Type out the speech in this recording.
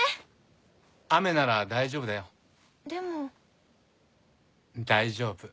雨なら大丈夫だよでも大丈夫